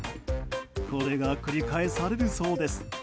これが、繰り返されるそうです。